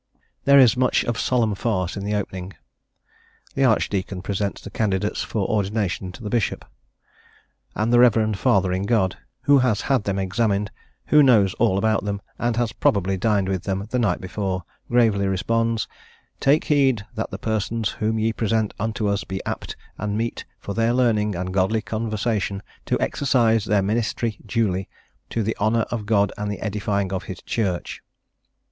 There is much of solemn farce in the opening: the archdeacon presents the candidates for ordination to the bishop, and the reverend father in God, who has had them examined, who knows all about them, and has probably dined with them the night before, gravely responds, "Take heed that the persons whom ye present unto us be apt and meet, for their learning and godly conversation, to exercise their ministry duly, to the honour of God and the edifying of his Church."